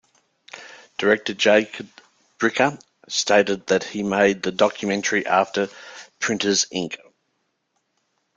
Director Jacob Bricca stated that he made the documentary after "Printers Inc".